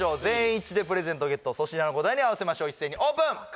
全員一致でプレゼントゲット粗品の答えに合わせましょう一斉にオープン！